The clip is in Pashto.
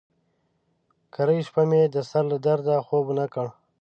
کرۍ شپه مې د سر له درده خوب ونه کړ.